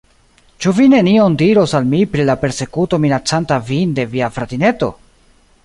Ĉu vi nenion diros al mi pri la persekuto minacanta vin de via fratineto?